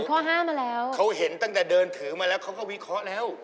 เข้าเห็นตั้งแต่เดินเถอะมาแล้วเขาก็วิเคราะห์แล้ว